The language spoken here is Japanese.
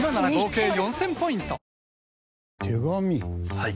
はい。